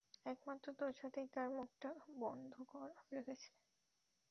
একমাত্র তোর সাথেই তার মুখটা বন্ধ রেখেছে।